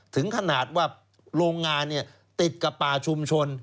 ถึงขนาดว่าโรงงานติดกับป่าชุมชน